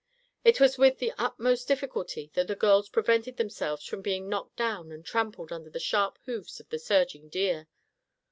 It was with the utmost difficulty that the girls prevented themselves from being knocked down and trampled under the sharp hoofs of the surging deer.